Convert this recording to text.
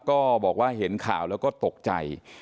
ก็บอกว่าเห็นข่าวแล้วก็ตกใจ